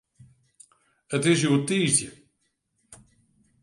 It is hjoed tiisdei.